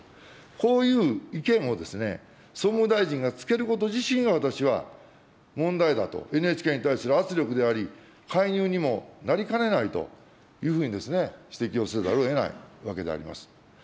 こういう意見を総務大臣がつけること自身が、私は問題だと、ＮＨＫに対する圧力であり、介入にもなりかねないというふうに、指摘をせざるをえないわけであります。